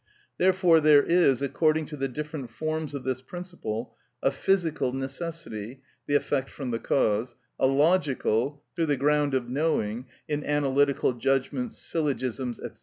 Therefore, there is, according to the different forms of this principle, a physical necessity (the effect from the cause), a logical (through the ground of knowing, in analytical judgments, syllogisms, &c.)